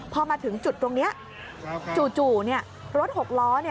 พอมาถึงจุดตรงนี้จู่รถ๖ล้อ